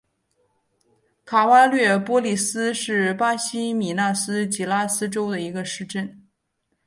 卡瓦略波利斯是巴西米纳斯吉拉斯州的一个市镇。